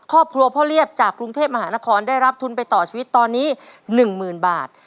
ครอบครัวพ่อเรียบจากกรุงเทพมหานครได้รับทุนไปต่อชีวิตตอนนี้๑๐๐๐บาท